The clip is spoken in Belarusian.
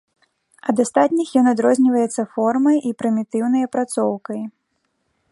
Ад астатніх ён адрозніваецца формай і прымітыўнай апрацоўкай.